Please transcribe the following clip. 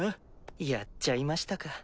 やっちゃいましたか。